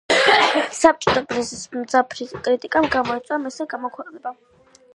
საბჭოთა პრესის მძაფრი კრიტიკა გამოიწვია მისმა გამოქვეყნებამ.